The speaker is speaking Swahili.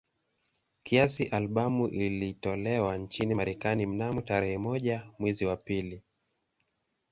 Kiasili albamu ilitolewa nchini Marekani mnamo tarehe moja mwezi wa pili